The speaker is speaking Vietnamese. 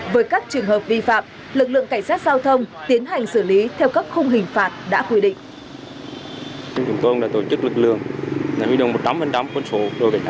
với các trường hợp vi phạm lực lượng cảnh sát giao thông tiến hành xử lý theo các khung hình phạt đã quy định